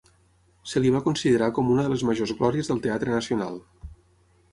Se li va considerar com una de les majors glòries del teatre Nacional.